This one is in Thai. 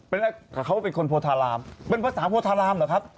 เขาเป็นคนโพธารามเป็นภาษาโพธารามเหรอครับ